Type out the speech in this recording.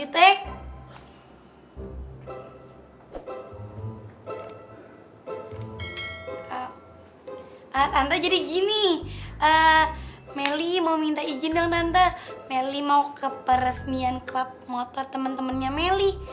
tante jadi gini meli mau minta izin dong tante meli mau ke peresmian klub motor temen temennya meli